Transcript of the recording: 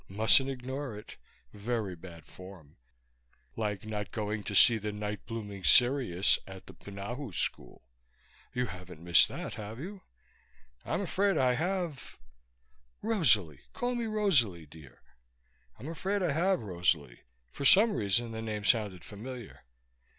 Mustn't ignore it very bad form like not going to see the night blooming cereus at the Punahou School. You haven't missed that, have you?" "I'm afraid I have " "Rosalie. Call me Rosalie, dear." "I'm afraid I have, Rosalie." For some reason the name sounded familiar.